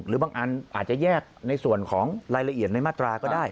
หรือบางอันอาจจะแยกในส่วนของรายละเอียดในมาตราก็ได้